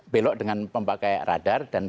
belok dengan pemakai radar dan